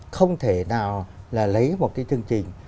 không thể nào là lấy một cái chương trình